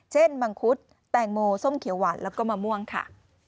มังคุดแตงโมส้มเขียวหวานแล้วก็มะม่วงค่ะ